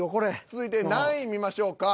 続いて何位見ましょうか？